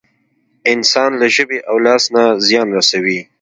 انسان له ژبې او لاس نه زيان رسوي.